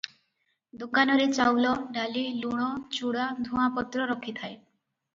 ଦୋକାନରେ ଚାଉଳ, ଡାଲି, ଲୁଣ, ଚୁଡ଼ା, ଧୂଆଁପତ୍ର ରଖିଥାଏ ।